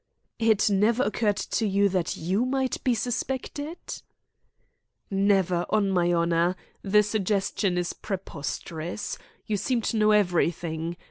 "It never occurred to you that you might be suspected?" "Never, on my honour! The suggestion is preposterous. You seem to know everything.